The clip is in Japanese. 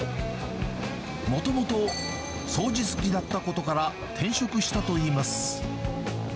もともと掃除好きだったことから、転職したといいます。